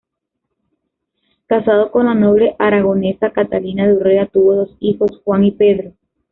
Casado con la noble aragonesa Catalina de Urrea, tuvo dos hijos: Juan y Pedro.